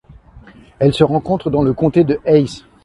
Elle se rencontre dans le comté de Hays.